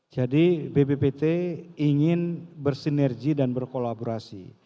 jadi bppt ingin bersinergi dan berkolaborasi